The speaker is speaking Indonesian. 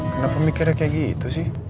kenapa mikirnya kayak gitu sih